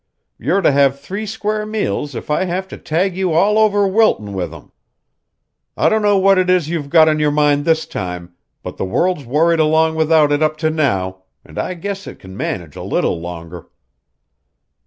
You're to have three square meals if I have to tag you all over Wilton with 'em. I don't know what it is you've got on your mind this time, but the world's worried along without it up to now, an' I guess it can manage a little longer."